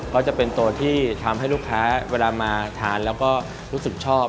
ก็จะเป็นตัวที่ทำให้ลูกค้าเวลามาทานแล้วก็รู้สึกชอบ